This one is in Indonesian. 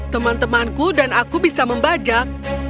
teman temanku dan aku bisa membajak